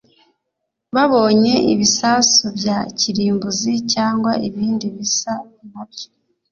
babonye ibisasu bya kirimbuzi cyangwa ibindi bisa na byo